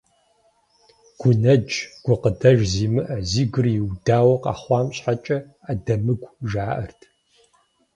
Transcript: Гунэдж, гукъыдэж зимыӏэ, зи гур иудауэ къэхъуам щхьэкӏэ адэмыгу жаӏэрт.